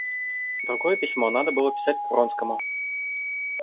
Другое письмо надо было писать к Вронскому.